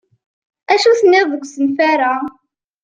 Acu tenniḍ deg usenfaṛ-a?